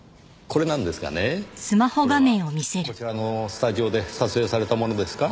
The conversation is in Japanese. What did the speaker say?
これはこちらのスタジオで撮影されたものですか？